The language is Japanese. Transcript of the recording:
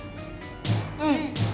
うん。